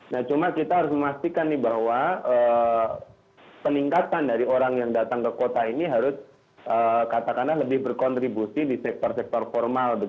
nah cuma kita harus memastikan nih bahwa peningkatan dari orang yang datang ke kota ini harus katakanlah lebih berkontribusi di sektor sektor formal